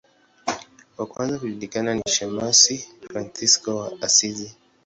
Wa kwanza kujulikana ni shemasi Fransisko wa Asizi.